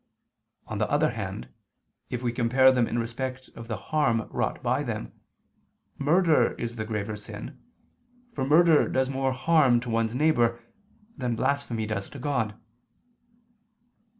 On the other hand, if we compare them in respect of the harm wrought by them, murder is the graver sin, for murder does more harm to one's neighbor, than blasphemy does to God.